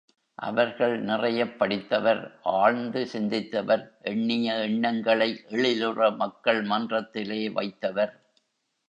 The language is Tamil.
அவர்கள் நிறையப் படித்தவர் ஆழ்ந்து சிந்தித்தவர் எண்ணிய எண்ணங்களை எழிலுற மக்கள் மன்றத்திலே வைத்தவர்.